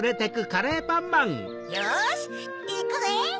よしいくぜ！